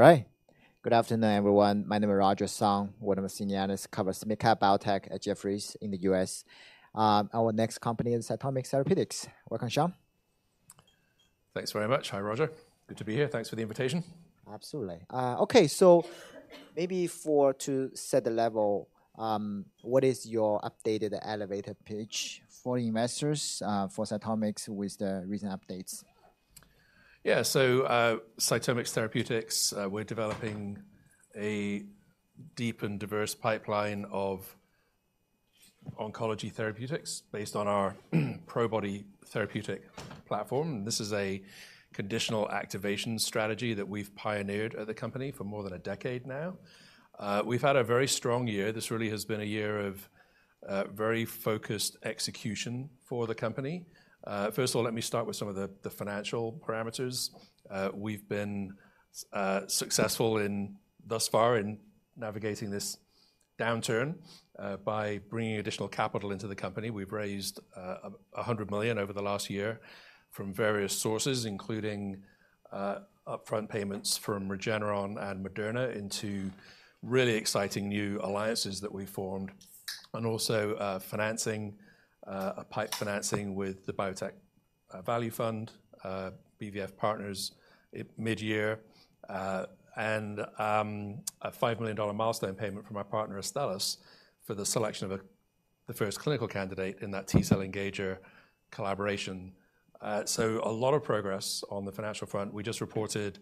All right. Good afternoon, everyone. My name is Roger Song, one of the senior analysts covers mid-cap biotech at Jefferies in the U.S. Our next company is CytomX Therapeutics. Welcome, Sean. Thanks very much. Hi, Roger. Good to be here. Thanks for the invitation. Absolutely. Okay, so maybe to set the level, what is your updated elevator pitch for investors, for CytomX with the recent updates? Yeah. So, CytomX Therapeutics, we're developing a deep and diverse pipeline of oncology therapeutics based on our Probody therapeutic platform. This is a conditional activation strategy that we've pioneered at the company for more than a decade now. We've had a very strong year. This really has been a year of very focused execution for the company. First of all, let me start with some of the financial parameters. We've been successful thus far in navigating this downturn by bringing additional capital into the company. We've raised $100 million over the last year from various sources, including upfront payments from Regeneron and Moderna into really exciting new alliances that we formed, and also financing, a PIPE financing with the Biotech Value Fund, BVF Partners midyear, and a $5 million milestone payment from our partner, Astellas, for the selection of the first clinical candidate in that T cell engager collaboration. So a lot of progress on the financial front. We just reported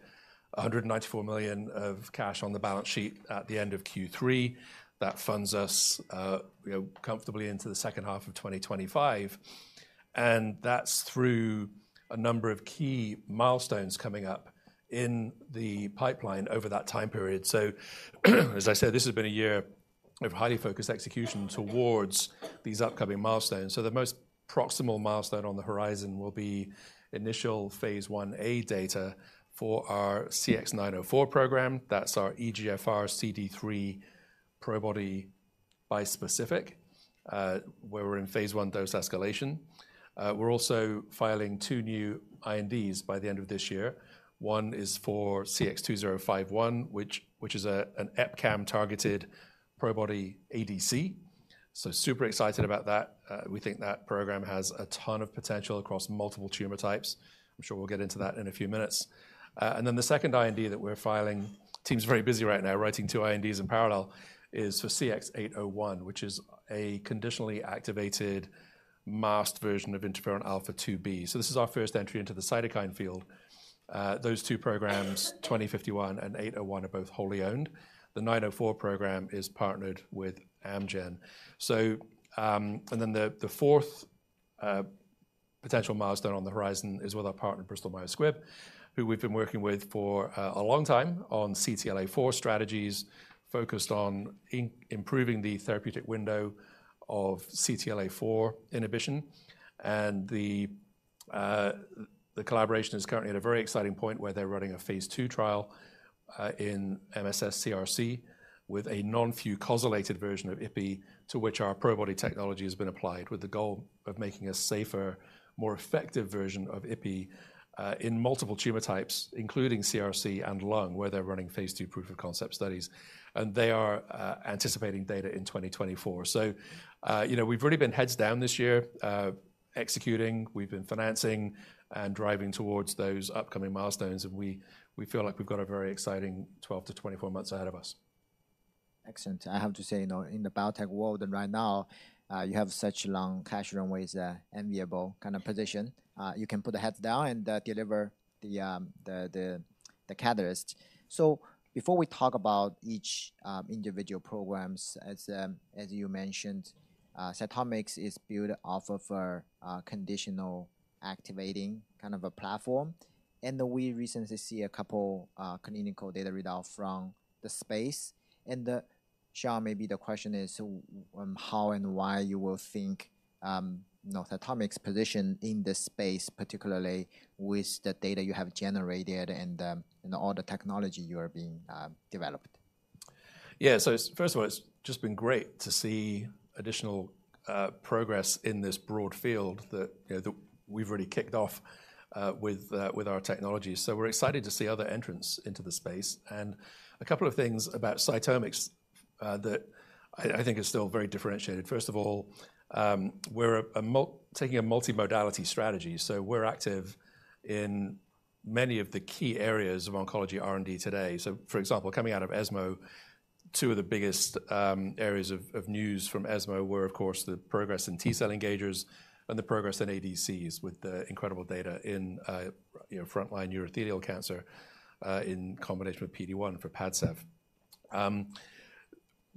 $194 million of cash on the balance sheet at the end of Q3. That funds us, you know, comfortably into the second half of 2025, and that's through a number of key milestones coming up in the pipeline over that time period. So, as I said, this has been a year of highly focused execution towards these upcoming milestones. The most proximal milestone on the horizon will be Phase Ia data for our CX-904 program. That's our EGFR CD3 Probody bispecific, where we're Phase I dose escalation. We're also filing two new INDs by the end of this year. One is for CX-2051, which is an EpCAM-targeted Probody ADC. So super excited about that. We think that program has a ton of potential across multiple tumor types. I'm sure we'll get into that in a few minutes. And then the second IND that we're filing, the team's very busy right now, writing two INDs in parallel, is for CX-801, which is a conditionally activated masked version of interferon alpha-2b. This is our first entry into the cytokine field. Those two programs, 2051 and 801, are both wholly owned. The 904 program is partnered with Amgen. The fourth potential milestone on the horizon is with our partner, Bristol Myers Squibb, who we've been working with for a long time on CTLA-4 strategies, focused on improving the therapeutic window of CTLA-4 inhibition. The collaboration is currently at a very exciting point, where they're running Phase I trial in MSS CRC with a non-fucosylated version of Ipi, to which our Probody technology has been applied, with the goal of making a safer, more effective version of Ipi in multiple tumor types, including CRC and lung, where they're Phase I proof of concept studies. They are anticipating data in 2024. So, you know, we've really been heads down this year, executing. We've been financing and driving towards those upcoming milestones, and we feel like we've got a very exciting 12-24 months ahead of us. Excellent. I have to say, you know, in the biotech world, and right now, you have such long cash runways, enviable kind of position. You can put the heads down and deliver the catalyst. So before we talk about each individual programs, as you mentioned, CytomX is built off of a conditional activating kind of a platform, and we recently see a couple clinical data readout from the space. And Sean, maybe the question is, how and why you will think, you know, CytomX's position in this space, particularly with the data you have generated and all the technology you are being developed? Yeah. So first of all, it's just been great to see additional progress in this broad field that, you know, that we've already kicked off with our technology. So we're excited to see other entrants into the space. And a couple of things about CytomX that I think is still very differentiated. First of all, we're taking a multimodality strategy, so we're active in many of the key areas of oncology R&D today. So, for example, coming out of ESMO, two of the biggest areas of news from ESMO were, of course, the progress in T cell engagers and the progress in ADCs, with the incredible data in, you know, frontline urothelial cancer in combination with PD-1 for Padcev.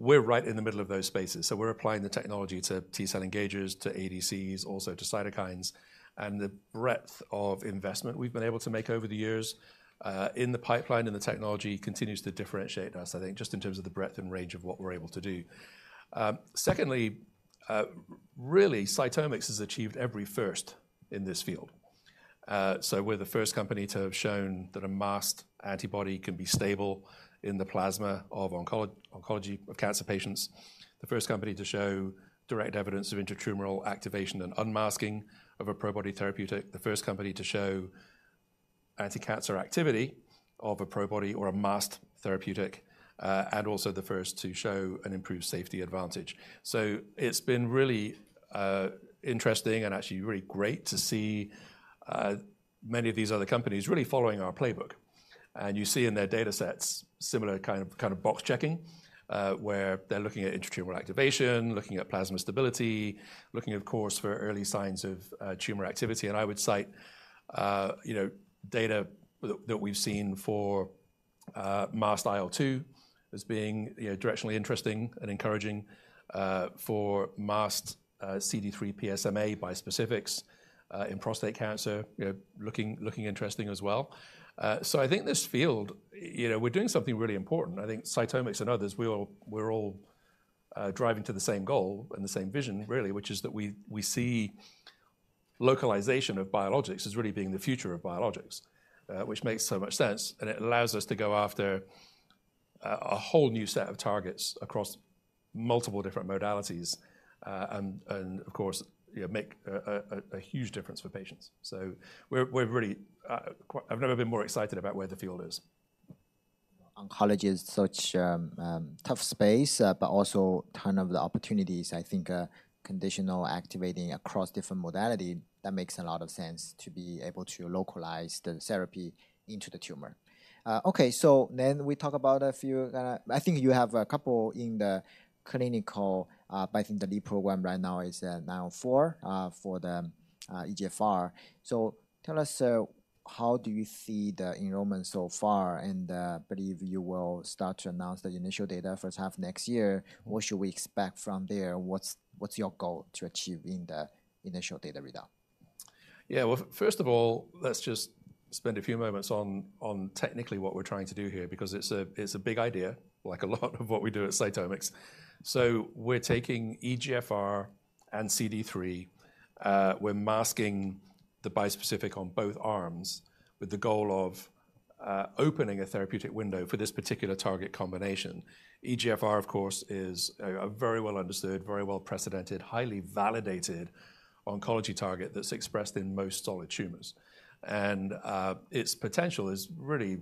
We're right in the middle of those spaces, so we're applying the technology to T cell engagers, to ADCs, also to cytokines. The breadth of investment we've been able to make over the years in the pipeline, and the technology continues to differentiate us, I think, just in terms of the breadth and range of what we're able to do. Secondly, really, CytomX has achieved every first in this field. So we're the first company to have shown that a masked antibody can be stable in the plasma of oncology, of cancer patients. The first company to show direct evidence of intratumoral activation and unmasking of a Probody therapeutic. The first company to show anti-cancer activity of a Probody or a MAST therapeutic, and also the first to show an improved safety advantage. So it's been really, interesting and actually really great to see, many of these other companies really following our playbook. And you see in their data sets similar kind of box checking, where they're looking at intratumoral activation, looking at plasma stability, looking of course, for early signs of, tumor activity. And I would cite, you know, data that, that we've seen for, MAST IL-2 as being, you know, directionally interesting and encouraging, for MAST, CD3 PSMA bispecifics, in prostate cancer, looking interesting as well. So I think this field, you know, we're doing something really important. I think CytomX and others, we're all, driving to the same goal and the same vision really, which is that we, we see localization of biologics as really being the future of biologics. which makes so much sense, and it allows us to go after a whole new set of targets across multiple different modalities, and of course make a huge difference for patients. So we're really quite. I've never been more excited about where the field is. Oncology is such a tough space, but also a ton of opportunities, I think, conditional activating across different modalities, that makes a lot of sense to be able to localize the therapy into the tumor. Okay, so then we talk about a few. I think you have a couple in the clinic, but I think the lead program right now is CX-904 for the EGFR. So tell us how do you see the enrollment so far, and I believe you will start to announce the initial data first half next year. What should we expect from there? What's your goal to achieve in the initial data readout? Yeah. Well, first of all, let's just spend a few moments on technically what we're trying to do here, because it's a big idea, like a lot of what we do at CytomX. So we're taking EGFR and CD3, we're masking the bispecific on both arms with the goal of opening a therapeutic window for this particular target combination. EGFR, of course, is a very well understood, very well precedented, highly validated oncology target that's expressed in most solid tumors. And its potential is really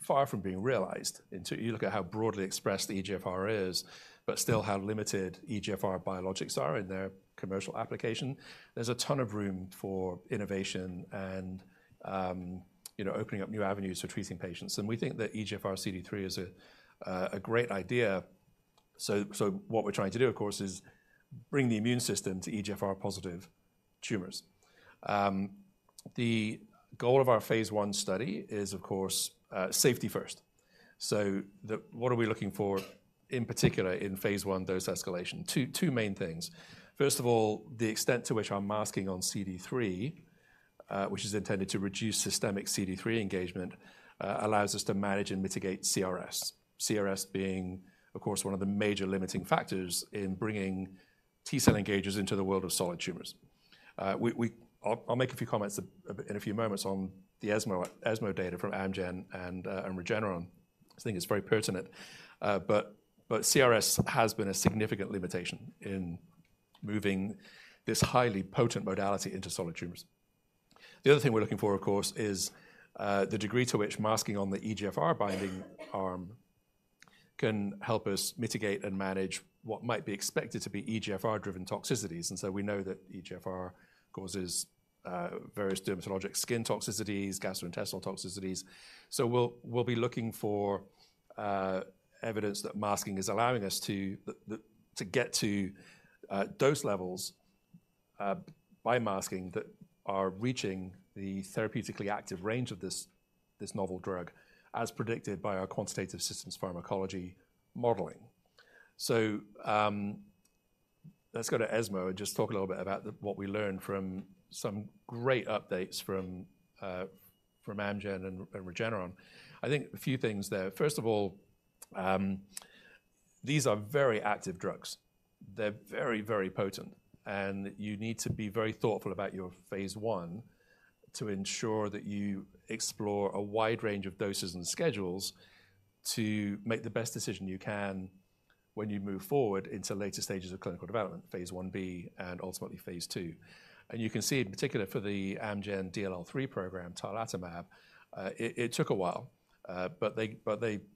far from being realized. Until you look at how broadly expressed the EGFR is, but still how limited EGFR biologics are in their commercial application. There's a ton of room for innovation and, you know, opening up new avenues for treating patients. And we think that EGFR CD3 is a great idea. So what we're trying to do, of course, is bring the immune system to EGFR-positive tumors. The goal of our Phase I study is, of course, safety first. So what are we looking for in particular in Phase I dose escalation? Two main things. First of all, the extent to which our masking on CD3, which is intended to reduce systemic CD3 engagement, allows us to manage and mitigate CRS. CRS being, of course, one of the major limiting factors in bringing T cell engagers into the world of solid tumors. I'll make a few comments in a few moments on the ESMO data from Amgen and Regeneron. I think it's very pertinent. But CRS has been a significant limitation in moving this highly potent modality into solid tumors. The other thing we're looking for, of course, is the degree to which masking on the EGFR binding arm can help us mitigate and manage what might be expected to be EGFR-driven toxicities. And so we know that EGFR causes various dermatologic skin toxicities, gastrointestinal toxicities. So we'll be looking for evidence that masking is allowing us to to get to dose levels by masking that are reaching the therapeutically active range of this novel drug, as predicted by our quantitative systems pharmacology modeling. So let's go to ESMO and just talk a little bit about what we learned from some great updates from Amgen and Regeneron. I think a few things there. First of all, these are very active drugs. They're very, very potent, and you need to be very thoughtful about your Phase I to ensure that you explore a wide range of doses and schedules to make the best decision you can when you move forward into later stages of clinical Phase Ib, and Phase I. and you can see in particular for the Amgen DLL3 program, tarlatamab, it took a while, but they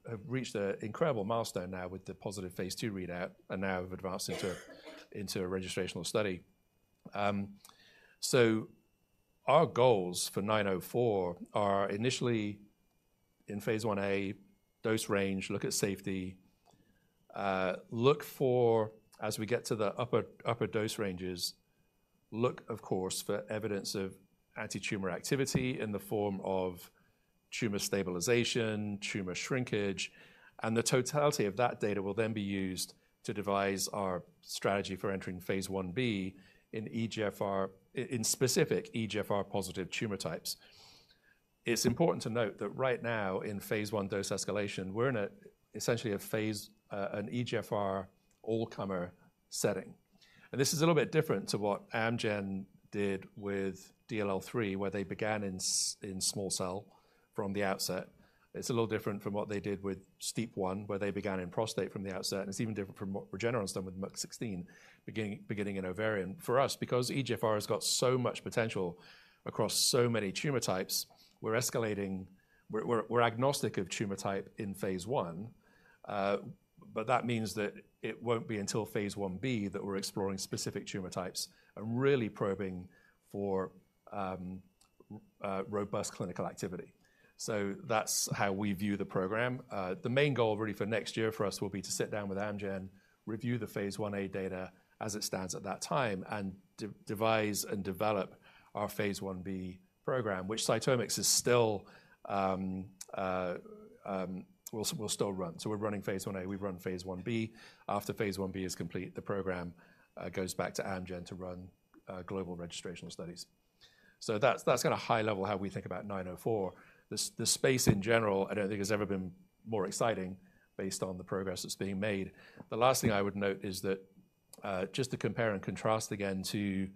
have reached an incredible milestone now with the Phase I readout, and now have advanced into a registrational study. So our goals for 904 are initially in Phase Ia, dose range, look at safety, look for... as we get to the upper, upper dose ranges, look, of course, for evidence of antitumor activity in the form of tumor stabilization, tumor shrinkage, and the totality of that data will then be used to devise our strategy for entering Phase Ib in EGFR in specific EGFR-positive tumor types. It's important to note that right now, in Phase I dose escalation, we're in essentially a phase, an EGFR all-comer setting. And this is a little bit different to what Amgen did with DLL3, where they began in small cell from the outset. It's a little different from what they did with STEAP1, where they began in prostate from the outset, and it's even different from what Regeneron's done with MUC16, beginning in ovarian. For us, because EGFR has got so much potential across so many tumor types, we're escalating. We're agnostic of tumor type Phase I, but that means that it won't be Phase Ib that we're exploring specific tumor types and really probing for robust clinical activity. So that's how we view the program. The main goal really for next year for us will be to sit down with Amgen, review Phase Ia data as it stands at that time, and devise and develop Phase Ib program, which CytomX will still run. So we're Phase Ia, we've Phase Ib is complete, the program goes back to Amgen to run global registrational studies. So that's kind of high level how we think about 904. The space in general, I don't think has ever been more exciting based on the progress that's being made. The last thing I would note is that just to compare and contrast again to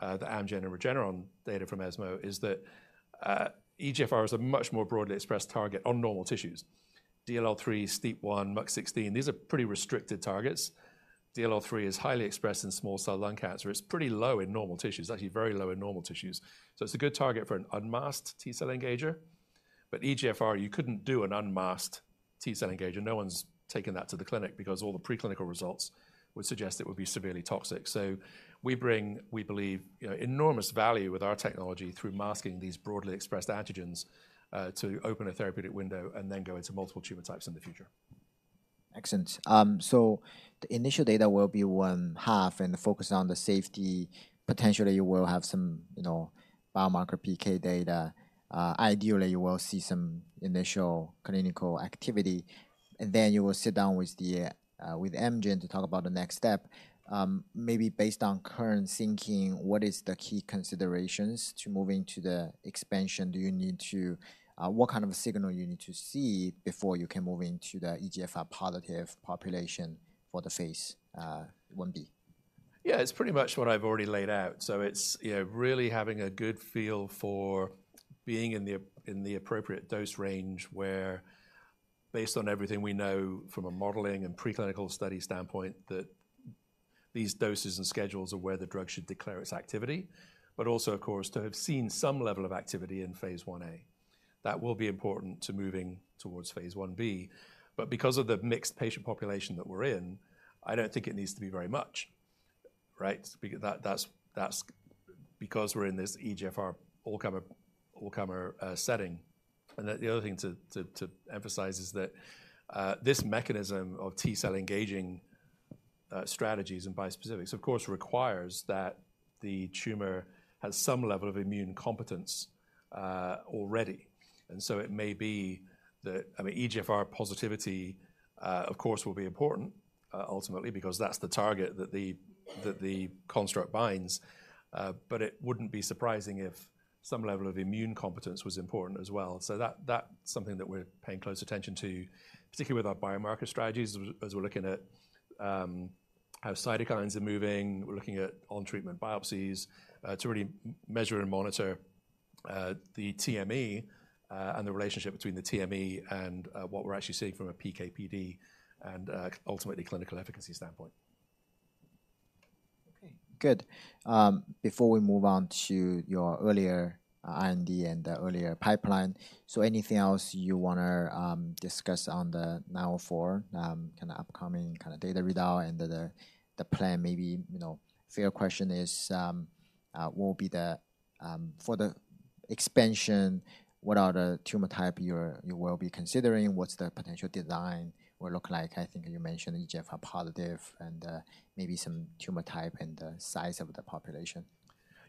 the Amgen and Regeneron data from ESMO, is that EGFR is a much more broadly expressed target on normal tissues. DLL3, STEAP1, MUC16, these are pretty restricted targets. DLL3 is highly expressed in small cell lung cancer. It's pretty low in normal tissues, actually very low in normal tissues. So it's a good target for an unmasked T cell engager, but EGFR, you couldn't do an unmasked T cell engager. No one's taken that to the clinic because all the preclinical results would suggest it would be severely toxic. So we bring, we believe, you know, enormous value with our technology through masking these broadly expressed antigens to open a therapeutic window and then go into multiple tumor types in the future. Excellent. So the initial data will be 1/2, and the focus on the safety, potentially you will have some, you know, biomarker PK data. Ideally, you will see some initial clinical activity, and then you will sit down with the, with Amgen to talk about the next step. Maybe based on current thinking, what is the key considerations to moving to the expansion? Do you need to? What kind of signal you need to see before you can move into the EGFR positive population for the Phase Ib? Yeah, it's pretty much what I've already laid out. So it's, you know, really having a good feel for being in the appropriate dose range, where based on everything we know from a modeling and preclinical study standpoint, that these doses and schedules are where the drug should declare its activity, but also, of course, to have seen some level of activity Phase Ia. that will be important to moving Phase Ib. but because of the mixed patient population that we're in, I don't think it needs to be very much, right? That's because we're in this EGFR all-comer setting. And then the other thing to emphasize is that this mechanism of T cell engaging strategies and bispecifics, of course, requires that the tumor has some level of immune competence already. It may be that, I mean, EGFR positivity, of course, will be important, ultimately, because that's the target that the construct binds. But it wouldn't be surprising if some level of immune competence was important as well. That's something that we're paying close attention to, particularly with our biomarker strategies, as we're looking at how cytokines are moving, we're looking at on-treatment biopsies to really measure and monitor the TME and the relationship between the TME and what we're actually seeing from a PK/PD and ultimately clinical efficacy standpoint. Okay, good. Before we move on to your earlier IND and the earlier pipeline, so anything else you wanna discuss on the nine oh four, kind of upcoming kind of data readout and the plan maybe, you know? Fair question is, will be the for the expansion, what are the tumor type you will be considering? What's the potential design will look like? I think you mentioned EGFR positive and maybe some tumor type and the size of the population.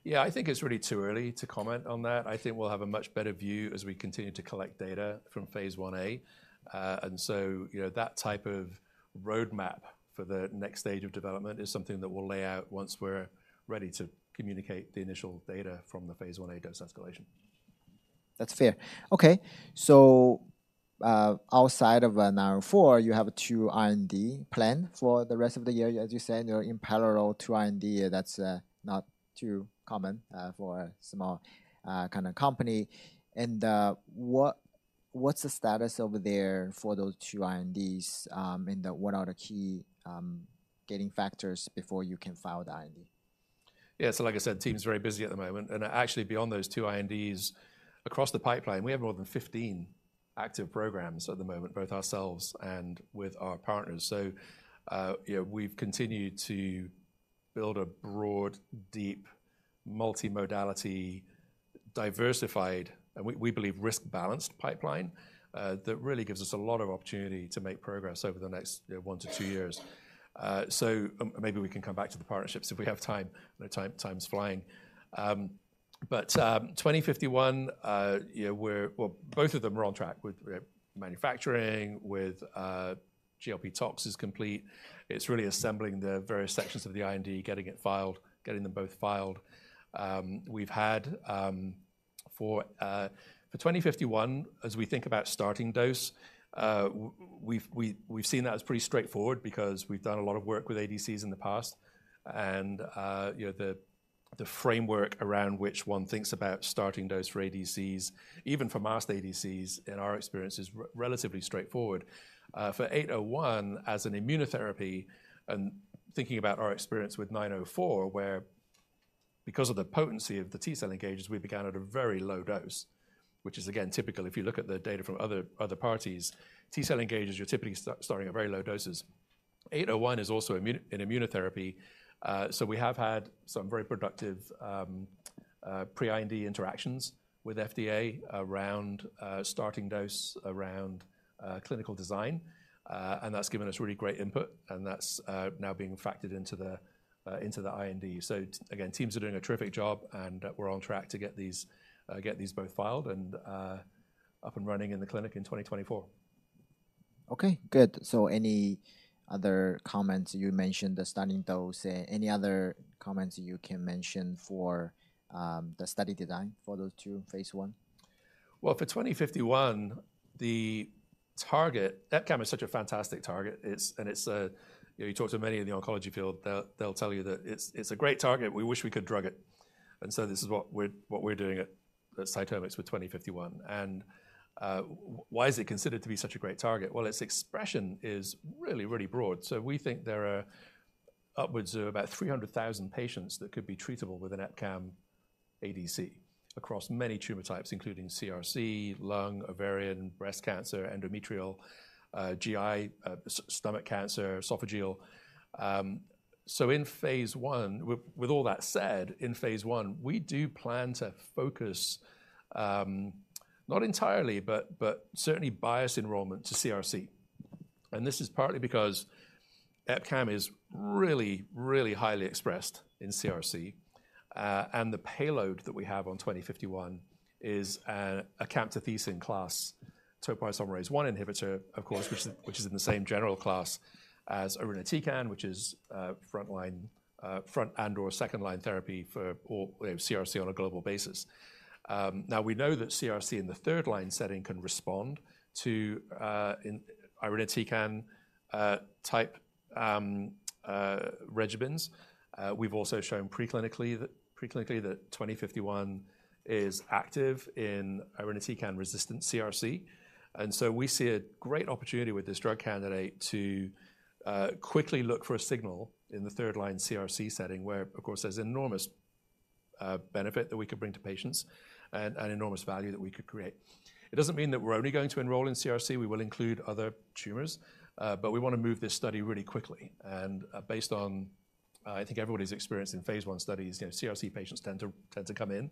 Yeah, I think it's really too early to comment on that. I think we'll have a much better view as we continue to collect data Phase Ia. so, you know, that type of roadmap for the next stage of development is something that we'll lay out once we're ready to communicate the initial data from Phase Ia dose escalation. That's fair. Okay. So, outside of CX-904, you have two IND plans for the rest of the year. As you said, you're in parallel to IND, that's not too common for a small kind of company. And, what, what's the status over there for those two INDs? And, what are the key gating factors before you can file the IND? Yeah, so like I said, the team is very busy at the moment, and actually beyond those two INDs, across the pipeline, we have more than 15 active programs at the moment, both ourselves and with our partners. So, you know, we've continued to build a broad, deep, multi-modality, diversified, and we believe risk-balanced pipeline, that really gives us a lot of opportunity to make progress over the next, 1 to 2 years. So, maybe we can come back to the partnerships if we have time. I know time's flying. But, CX-2051, you know, we're— Well, both of them are on track with manufacturing, with GLP tox is complete. It's really assembling the various sections of the IND, getting it filed, getting them both filed. We've had for CX-2051, as we think about starting dose, we've seen that as pretty straightforward because we've done a lot of work with ADCs in the past. And, you know, the framework around which one thinks about starting dose for ADCs, even for masked ADCs, in our experience, is relatively straightforward. For CX-801, as an immunotherapy, and thinking about our experience with CX-904, where because of the potency of the T-cell engagers, we began at a very low dose, which is again, typical. If you look at the data from other parties, T-cell engagers, you're typically starting at very low doses. CX-801 is also an immunotherapy, so we have had some very productive pre-IND interactions with FDA around starting dose, around clinical design. And that's given us really great input, and that's now being factored into the IND. So again, teams are doing a terrific job, and we're on track to get these both filed and up and running in the clinic in 2024. Okay, good. Any other comments? You mentioned the starting dose. Any other comments you can mention for the study design for those two Phase I? Well, for CX-2051, the target EpCAM is such a fantastic target. It's and it's a... You know, you talk to many in the oncology field, they'll, they'll tell you that it's, it's a great target, we wish we could drug it. And so this is what we're, what we're doing at CytomX with CX-2051. And why is it considered to be such a great target? Well, its expression is really, really broad. So we think there are upwards of about 300,000 patients that could be treatable with an EpCAM ADC, across many tumor types, including CRC, lung, ovarian, breast cancer, endometrial, GI, stomach cancer, esophageal. So Phase I, with all that said, Phase I, we do plan to focus, not entirely, but certainly bias enrollment to CRC. This is partly because EpCAM is really, really highly expressed in CRC, and the payload that we have on CX-2051 is a camptothecin class, topoisomerase-1 inhibitor, of course, which is in the same general class as irinotecan, which is frontline and/or second-line therapy for, you know, CRC on a global basis. Now we know that CRC in the third-line setting can respond to irinotecan-type regimens. We've also shown preclinically that CX-2051 is active in irinotecan-resistant CRC. And so we see a great opportunity with this drug candidate to quickly look for a signal in the third-line CRC setting, where, of course, there's enormous benefit that we could bring to patients and an enormous value that we could create. It doesn't mean that we're only going to enroll in CRC, we will include other tumors, but we wanna move this study really quickly. Based on, I think everybody's experience Phase I studies, you know, CRC patients tend to come in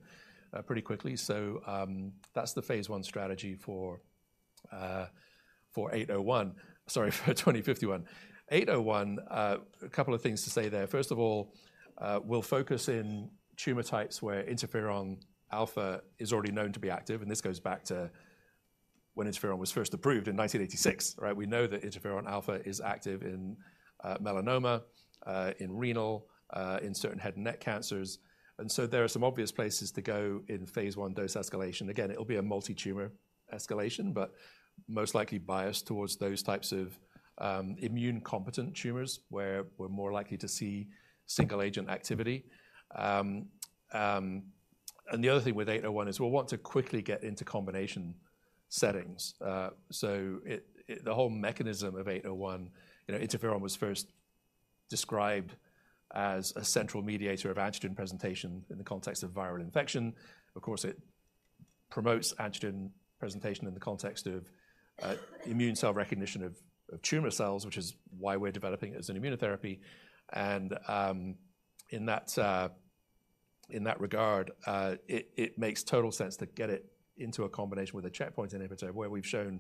pretty quickly. So, that's Phase I strategy for 801. Sorry, for 2051. 801, a couple of things to say there. First of all, we'll focus in tumor types where interferon alpha is already known to be active, and this goes back to when interferon was first approved in 1986, right? We know that interferon alpha is active in melanoma, in renal, in certain head and neck cancers, and so there are some obvious places to go Phase I dose escalation. Again, it'll be a multi-tumor escalation, but most likely biased towards those types of immune-competent tumors, where we're more likely to see single-agent activity. And the other thing with eight oh one is we'll want to quickly get into combination settings. So the whole mechanism of eight oh one, you know, interferon was first described as a central mediator of antigen presentation in the context of viral infection. Of course, it promotes antigen presentation in the context of immune cell recognition of tumor cells, which is why we're developing it as an immunotherapy. In that regard, it makes total sense to get it into a combination with a checkpoint inhibitor, where we've shown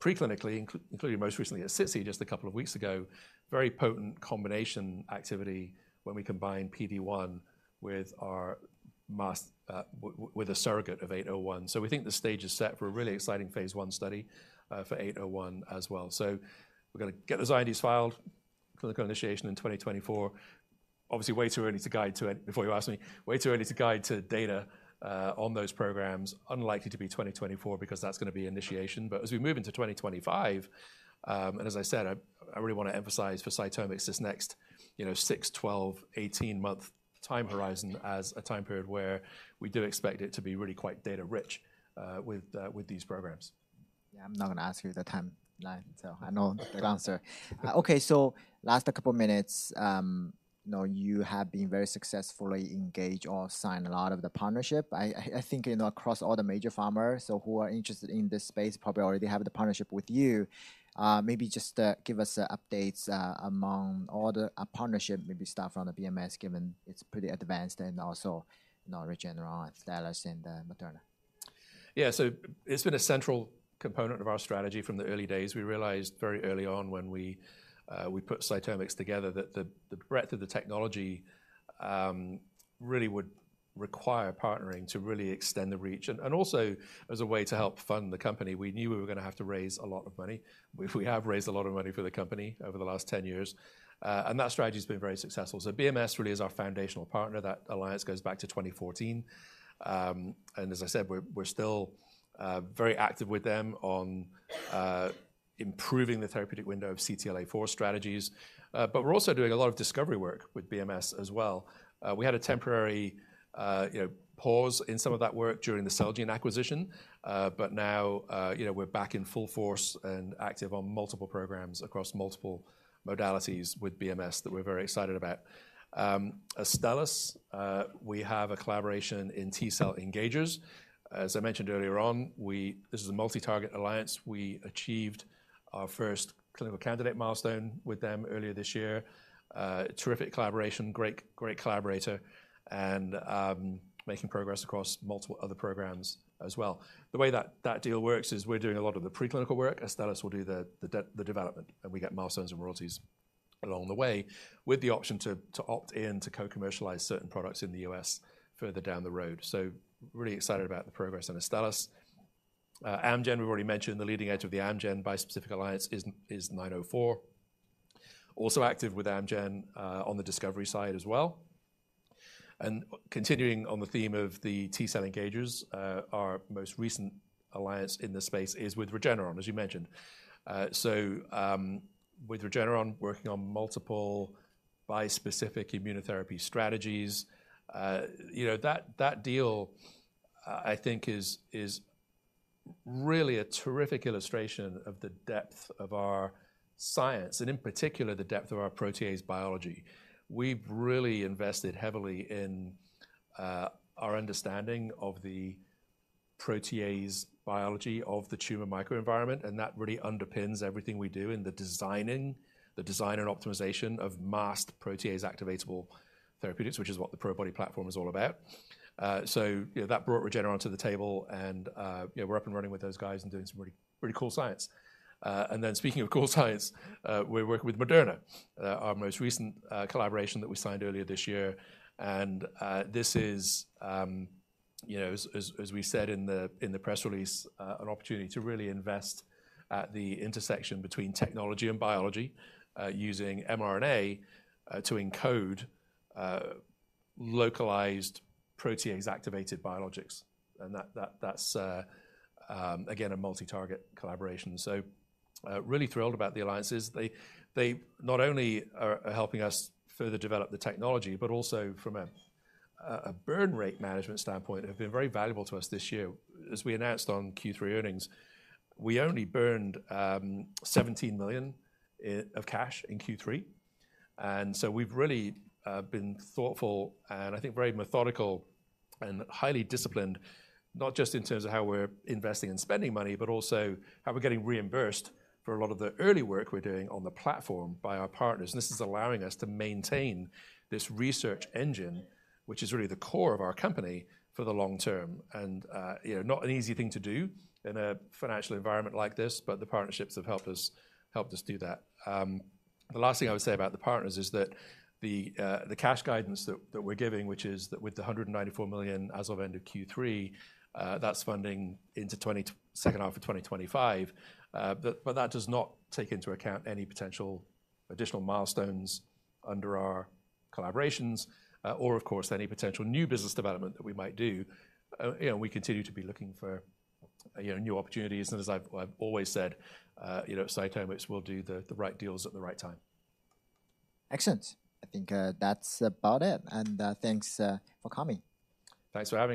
preclinically, including most recently at SITC, just a couple of weeks ago, very potent combination activity when we combine PD-1 with our masked surrogate of 801. So we think the stage is set for a really Phase I study for 801 as well. So we're gonna get those INDs filed for the co-initiation in 2024. Obviously, way too early to guide to it... Before you ask me, way too early to guide to data on those programs. Unlikely to be 2024, because that's gonna be initiation. But as we move into 2025, and as I said, I really wanna emphasize for CytomX, this next, you know, six, 12, 18 month time horizon as a time period where we do expect it to be really quite data rich, with these programs. Yeah, I'm not gonna ask you the timeline, so I know the answer. Yeah. Okay. So last a couple of minutes, now you have been very successfully engaged or signed a lot of the partnership. I think, you know, across all the major pharmas, so who are interested in this space, probably already have the partnership with you. Maybe just give us updates among all the partnership, maybe start from the BMS, given it's pretty advanced, and also, you know, Regeneron, Cellectis, and Moderna. Yeah. So it's been a central component of our strategy from the early days. We realized very early on when we put CytomX together, that the breadth of the technology really would require partnering to really extend the reach, and also as a way to help fund the company. We knew we were gonna have to raise a lot of money. We have raised a lot of money for the company over the last 10 years, and that strategy has been very successful. So BMS really is our foundational partner. That alliance goes back to 2014. And as I said, we're still very active with them on improving the therapeutic window of CTLA-4 strategies. But we're also doing a lot of discovery work with BMS as well. We had a temporary, you know, pause in some of that work during the Celgene acquisition. But now, you know, we're back in full force and active on multiple programs across multiple modalities with BMS that we're very excited about. Astellas, we have a collaboration in T cell engagers. As I mentioned earlier on, this is a multi-target alliance. We achieved our first clinical candidate milestone with them earlier this year. Terrific collaboration, great, great collaborator, and making progress across multiple other programs as well. The way that that deal works is we're doing a lot of the preclinical work, Astellas will do the development, and we get milestones and royalties along the way, with the option to opt in to co-commercialize certain products in the US further down the road. So really excited about the progress on Astellas. Amgen, we've already mentioned, the leading edge of the Amgen bispecific alliance is 904. Also active with Amgen on the discovery side as well. And continuing on the theme of the T cell engagers, our most recent alliance in this space is with Regeneron, as you mentioned. With Regeneron, working on multiple bispecific immunotherapy strategies, you know, that deal I think is really a terrific illustration of the depth of our science and, in particular, the depth of our protease biology. We've really invested heavily in our understanding of the protease biology of the tumor microenvironment, and that really underpins everything we do in the design and optimization of masked protease activatable therapeutics, which is what the Probody platform is all about. So, you know, that brought Regeneron to the table, and, you know, we're up and running with those guys and doing some really, really cool science. And then speaking of cool science, we're working with Moderna, our most recent collaboration that we signed earlier this year. And this is, you know, as we said in the press release, an opportunity to really invest at the intersection between technology and biology, using mRNA to encode localized protease-activated biologics. And that's again a multi-target collaboration. So, really thrilled about the alliances. They not only are helping us further develop the technology, but also from a burn rate management standpoint, have been very valuable to us this year. As we announced on Q3 earnings, we only burned $17 million of cash in Q3. So we've really been thoughtful and I think very methodical and highly disciplined, not just in terms of how we're investing and spending money, but also how we're getting reimbursed for a lot of the early work we're doing on the platform by our partners. And this is allowing us to maintain this research engine, which is really the core of our company, for the long term. You know, not an easy thing to do in a financial environment like this, but the partnerships have helped us, helped us do that. The last thing I would say about the partners is that the cash guidance that we're giving, which is that with the $194 million as of end of Q3, that's funding into the second half of 2025. But that does not take into account any potential additional milestones under our collaborations, or of course, any potential new business development that we might do. You know, we continue to be looking for, you know, new opportunities. And as I've always said, you know, CytomX will do the right deals at the right time. Excellent. I think, that's about it. And, thanks, for coming. Thanks for having me.